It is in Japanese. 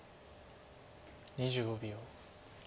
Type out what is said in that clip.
２５秒。